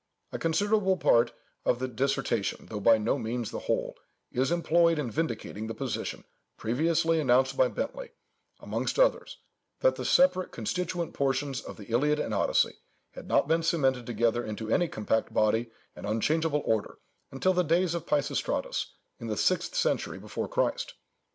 A considerable part of that dissertation (though by no means the whole) is employed in vindicating the position, previously announced by Bentley, amongst others, that the separate constituent portions of the Iliad and Odyssey had not been cemented together into any compact body and unchangeable order, until the days of Peisistratus, in the sixth century before Christ.